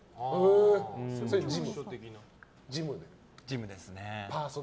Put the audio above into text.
ジムですね。